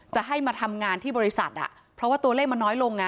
จะให้มาทำงานที่บริษัทเพราะว่าตัวเลขมันน้อยลง